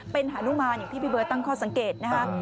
เป็นหานุมานที่พี่เบอร์ตั้งคอสังเกตนะครับ